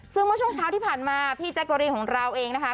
ซึ่งเมื่อช่วงเช้าที่ผ่านมาพี่แจ๊กเกอรีนของเราเองนะคะ